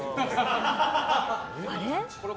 あれ？